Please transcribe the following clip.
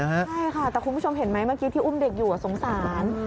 ใช่ค่ะแต่คุณผู้ชมเห็นไหมเมื่อกี้ที่อุ้มเด็กอยู่สงสาร